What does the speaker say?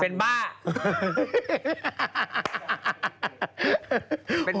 ก็บอลไงบอล